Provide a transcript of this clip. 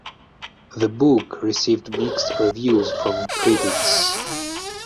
The book received mixed reviews from critics.